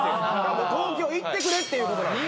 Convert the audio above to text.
東京行ってくれっていうことなんです。